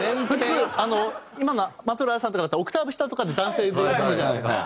あの松浦亜弥さんとかだったらオクターブ下とかの男性で歌うじゃないですか。